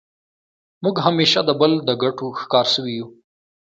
موږ همېشه د بل د ګټو ښکار سوي یو.